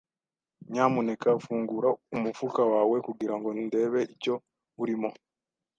Nyamuneka fungura umufuka wawe kugirango ndebe icyo urimo.